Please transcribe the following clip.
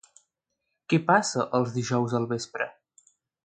Què passa els dijous al vespre?